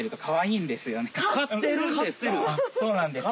あっそうなんです。